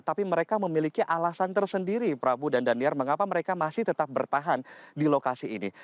tapi mereka memiliki alasan tersendiri prabu dan daniar mengapa mereka masih tetap bertahan di lokasi ini